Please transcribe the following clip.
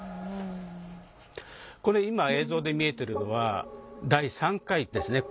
これ今映像で見えてるのは第３回ですね。